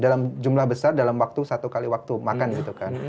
dalam jumlah besar dalam waktu satu kali waktu makan gitu kan